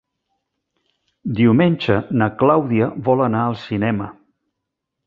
Diumenge na Clàudia vol anar al cinema.